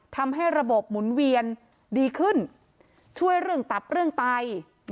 ทำให้ระบบหมุนเวียนดีขึ้นช่วยเรื่องตับเรื่องไต